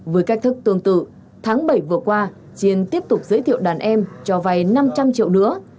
với cách thức tương tự tháng bảy vừa qua chiên tiếp tục giới thiệu đàn em cho vay năm trăm linh triệu nữa